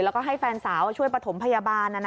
แล้วก็ให้แฟนสาวช่วยปฐมพยาบาลนะนะ